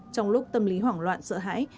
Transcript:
trong lúc tâm lý hoảng loạn sợ hãi